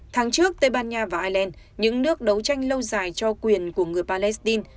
tháng trước tây ban nha và ireland những nước đấu tranh lâu dài cho quyền của người palestine